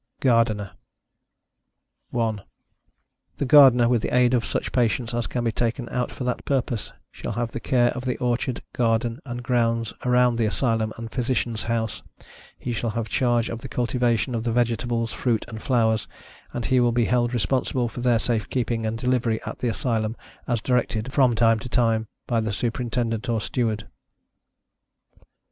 GARDENER. 1. The Gardener, with the aid of such patients as can be taken out for that purpose, shall have the care of the orchard, garden, and grounds around the Asylum and Physicianâ€™s house; he shall have charge of the cultivation of the vegetables, fruits and flowers, and he will be held responsible for their safe keeping and delivery at the Asylum, as directed, from time to time, by the Superintendent or Steward.